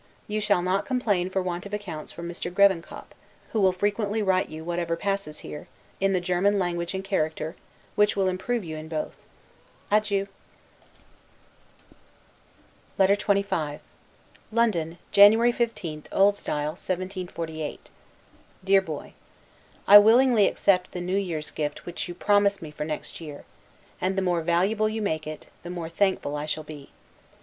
You shall not complain for want of accounts from Mr. Grevenkop, who will frequently write you whatever passes here, in the German language and character; which will improve you in both. Adieu. LETTER XXV LONDON, January 15, O. S. 1748. DEAR BOY: I willingly accept the new year's gift which you promise me for next year; and the more valuable you make it, the more thankful I shall be.